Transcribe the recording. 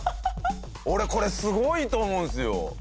俺これすごいと思うんですよ。